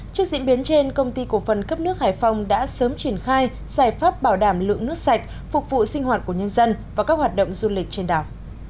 trước diễn biến trên công ty cổ phần cấp nước hải phòng đã sớm triển khai giải pháp bảo đảm lượng nước sạch phục vụ sinh hoạt của nhân dân và các hoạt động du lịch trên đảo